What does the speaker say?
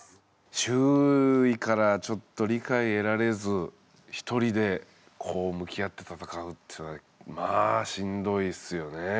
周囲からちょっと理解得られず一人で向き合ってたたかうっていうのはまあしんどいっすよね。